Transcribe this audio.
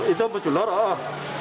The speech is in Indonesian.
itu mujurlor oh